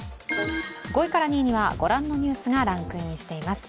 ５位から２位にはご覧のニュースがランクインしています。